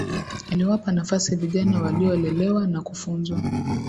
Aliwapa nafasi vijana waliolelewa na kufunzwa